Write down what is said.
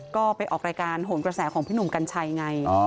ก็ไปออกรายการโหนกระแสของพี่หนุ่มกัญชัยไง